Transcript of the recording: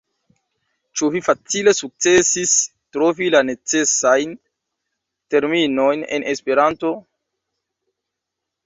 Ĉu vi facile sukcesis trovi la necesajn terminojn en Esperanto?